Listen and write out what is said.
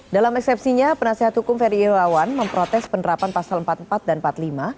dalam eksepsinya penasehat hukum ferry irawan memprotes penerapan pasal empat puluh empat dan empat puluh lima